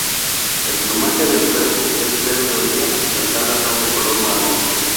El plumaje del cuerpo es verde oliva; las alas son de color marrón.